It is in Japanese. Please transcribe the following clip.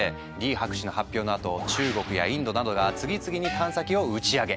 博士の発表のあと中国やインドなどが次々に探査機を打ち上げ。